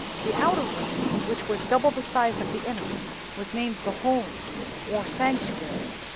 "The outer room, which was double the size of the inner, was named the 'Holy,' or 'Sanctuary.